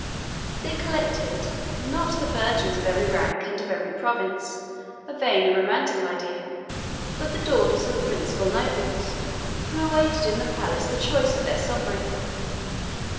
They collected, not the virgins of every rank and of every province, a vain and romantic idea, but the daughters of the principal nobles, who awaited in the palace the choice of their sovereign.